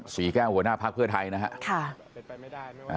สี่แก้วหัวหน้าพระเภอไทยแถวประชวรค่ะ